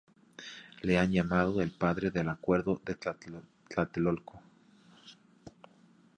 Le han llamado el padre del acuerdo de Tlatelolco.